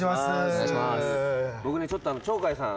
僕ねちょっと鳥海さん